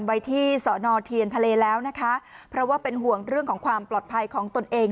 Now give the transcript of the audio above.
ไว้ที่สอนอเทียนทะเลแล้วนะคะเพราะว่าเป็นห่วงเรื่องของความปลอดภัยของตนเอง